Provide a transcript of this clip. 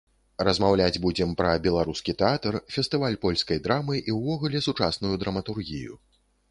Размаўляць будзем пра беларускі тэатр, фестываль польскай драмы і ўвогуле сучасную драматургію.